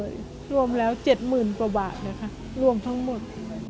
ด้วยอะไรด้วยรวมแล้ว๗หมื่นกว่าบาทนะคะรวมทั้งหมด